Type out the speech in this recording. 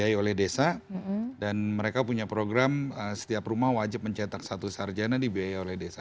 dibiayai oleh desa dan mereka punya program setiap rumah wajib mencetak satu sarjana dibiayai oleh desa